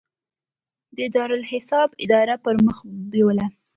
د دارالاحساب اداره پرمخ بیوله.